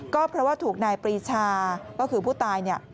ก็เพราะว่าถูกนายปรีชาก็คือผู้ตาย